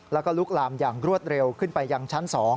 แล้วก็ลุกลามอย่างรวดเร็วขึ้นไปยังชั้น๒